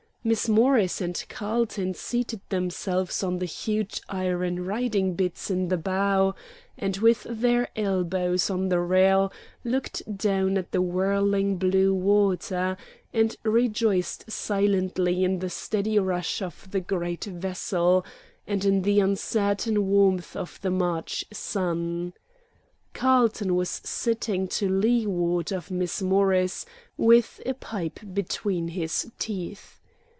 Miss Morris and Carlton seated themselves on the huge iron riding bits in the bow, and with their elbows on the rail looked down at the whirling blue water, and rejoiced silently in the steady rush of the great vessel, and in the uncertain warmth of the March sun. Carlton was sitting to leeward of Miss Morris, with a pipe between his teeth.